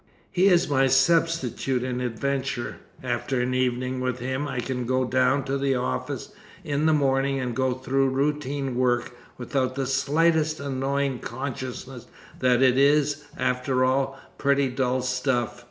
He is my substitute in adventure. After an evening with him I can go down to the office in the morning and go through routine work without the slightest annoying consciousness that it is, after all, pretty dull stuff.